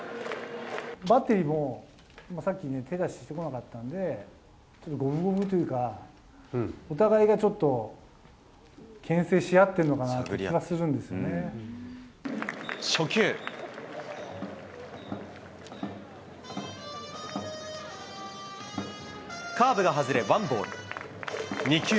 バッテリーも、さっきね、手出ししてこなかったんで、ちょっと五分五分というか、お互いがちょっとけん制し合ってるのかなぁって気がするんですよ初球。